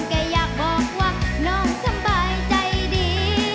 แกอยากบอกว่าน้องสบายใจดี